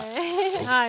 はい。